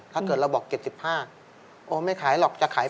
ถ้าเกิดเราบอก๗๕ไม่ขายหรอกอยากขาย๘๐